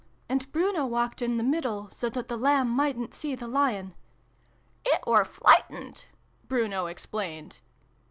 And Bruno walked in the middle, so that the Lamb mightn't see the Lion "It were fliglitened" Bruno explained.